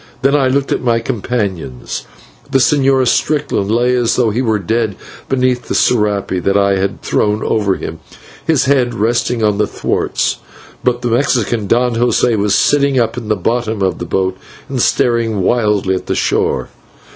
Then I looked at my companions. The Señor Strickland lay as though he were dead beneath the /serape/ that I had thrown over him, his head resting on the thwarts, but the Mexican, Don José, was sitting up in the bottom of the boat and staring wildly at the shore.